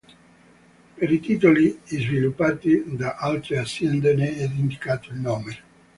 Per i titoli sviluppati da altre aziende ne è indicato il nome.